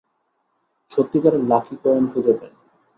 সত্যিকারের lucky coin খুঁজে পাই।